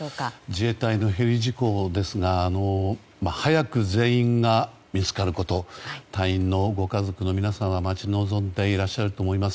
自衛隊のヘリ事故ですが早く全員が見つかること隊員のご家族の皆さんが待ち望んでいらっしゃると思います。